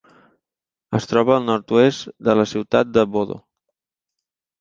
Es troba al nord-oest de la ciutat de Bodø.